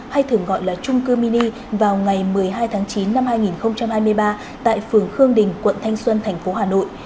hay thường gọi là trung cư mini vào ngày một mươi hai tháng chín năm hai nghìn hai mươi ba tại phường khương đình quận thanh xuân thành phố hà nội